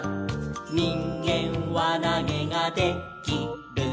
「にんげんわなげがで・き・る」